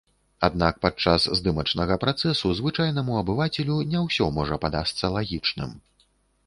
Аднак падчас здымачнага працэсу звычайнаму абывацелю не ўсё можа падасца лагічным.